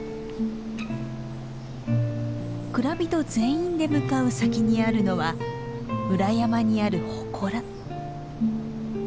蔵人全員で向かう先にあるのは裏山にあるほこら。